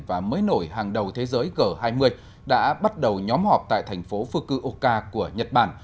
và mới nổi hàng đầu thế giới g hai mươi đã bắt đầu nhóm họp tại thành phố fukuoka của nhật bản